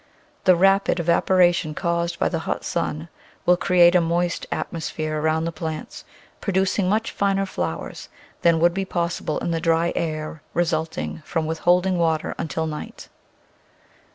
The rapid evaporation caused by the hot sun will create a moist atmosphere around the plants, producing much finer flowers than would be possible in the dry air resulting from with holding water until night.